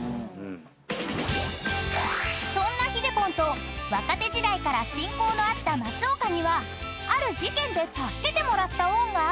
［そんなひでぽんと若手時代から親交のあった松岡にはある事件で助けてもらった恩があるんだって］